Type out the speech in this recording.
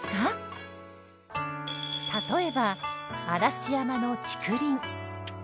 例えば嵐山の竹林。